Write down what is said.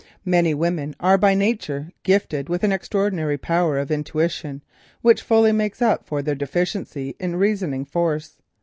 Many women are by nature gifted with an extraordinary power of intuition which fully makes up for their deficiency in reasoning force.